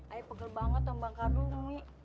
ayo pegel banget tembang karung umi